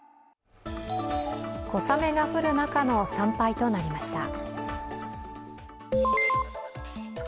小雨が降る中の参拝となりました。